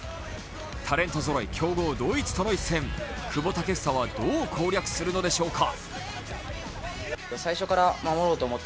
タレントぞろい、強豪ドイツとの一戦、久保建英はどう攻略するのでしょうか。